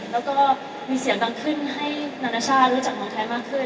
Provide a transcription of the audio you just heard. แล้วก็มีเสียงดังขึ้นให้นานาชาติรู้จักเมืองไทยมากขึ้น